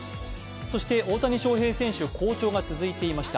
そして大谷翔平選手、好調が続いていました。